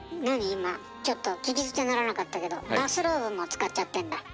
今ちょっと聞き捨てならなかったけどバスローブも使っちゃってんだ？